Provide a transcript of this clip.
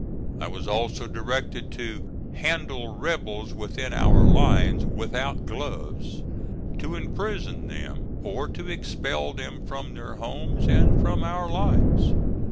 I was also directed to "handle rebels within our lines without gloves," to imprison them, or to expel them from their homes and from our lines.